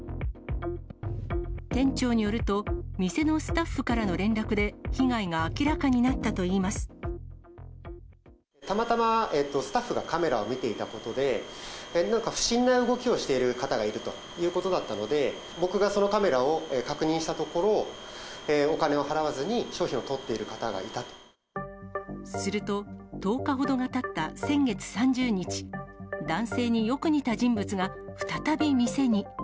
店長によると、店のスタッフからの連絡で、被害が明らかになったたまたま、スタッフがカメラを見ていたことで、なんか不審な動きをしている方がいるということだったので、僕がそのカメラを確認したところ、お金を払わずに、すると、１０日ほどがたった先月３０日、男性によく似た人物が、再び店に。